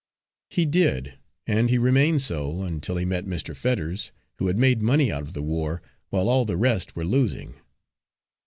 "He did; and he remained so until he met Mr. Fetters, who had made money out of the war while all the rest were losing.